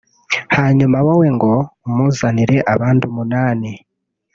hanyuma wowe ngo umuzanire abandi umunani